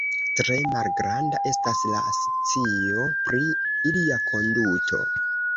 Tre malgranda estas la scio pri ilia konduto.